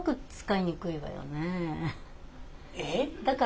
えっ？